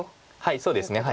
そうですね。